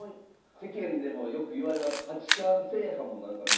世間でもよくいわれます